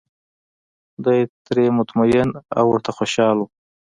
دای ترې مطمین او ورته خوشاله و.